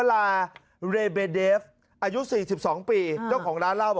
แล้วพูดโดยไม่ได้ถาม